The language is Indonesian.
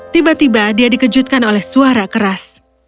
tiba tiba dia dikejutkan oleh suara keras